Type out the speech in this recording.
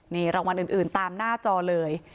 นี่รางวัลอื่นตามหน้าจอเลย